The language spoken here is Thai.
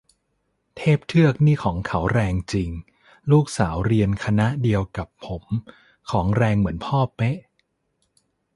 เทพเทือกนี่ของเขาแรงจริง ลูกสาวเรียนคณะเดียวกับผม ของแรงเหมือนพ่อเป๊ะ